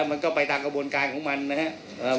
มันก็ไปตามกระบวนการของมันนะครับ